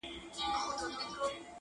پر یوه ګور به ژوند وي د پسونو، شرمښانو،